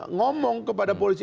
ngomong kepada polisi